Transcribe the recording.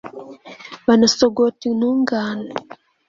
banasogote intungane